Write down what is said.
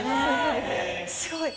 すごい。